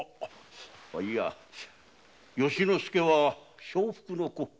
いや由之助は妾腹の子。